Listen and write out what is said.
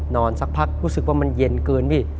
สักพักรู้สึกว่ามันเย็นเกินพี่